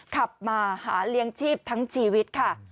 ขับมาหาเลี้ยงชีพทั้งชีวิตค่ะ